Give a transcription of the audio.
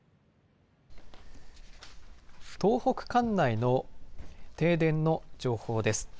東北管内の停電の情報です。